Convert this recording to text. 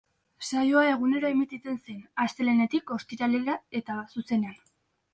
Saioa egunero emititzen zen, astelehenetik ostiralera eta zuzenean.